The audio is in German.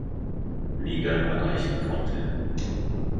Liga erreichen konnte.